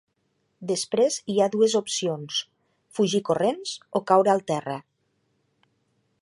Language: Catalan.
Després, hi ha dues opcions: fugir corrents o caure al terra.